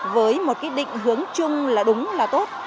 với một cái định hướng chung là đúng là tốt